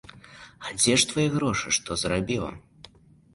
А дзе ж твае грошы, што зарабіла?